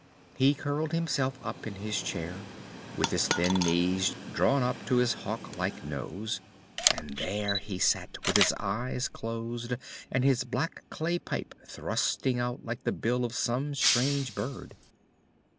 He curled himself up in his chair, with his thin knees drawn up to his hawk like nose, and there he sat with his eyes closed and his black clay pipe thrusting out like the bill of some strange bird.